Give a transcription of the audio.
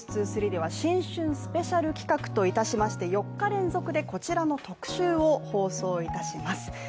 ２３では新春スペシャル企画といたしまして４日連続でこちらの特集を放送いたします